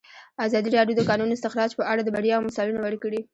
ازادي راډیو د د کانونو استخراج په اړه د بریاوو مثالونه ورکړي.